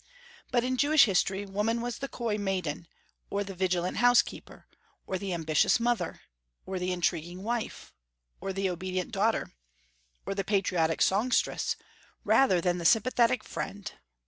But in Jewish history woman was the coy maiden, or the vigilant housekeeper, or the ambitious mother, or the intriguing wife, or the obedient daughter, or the patriotic song stress, rather than the sympathetic friend.